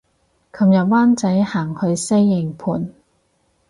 琴日灣仔行去西營盤